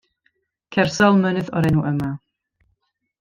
Ceir sawl mynydd o'r enw yma.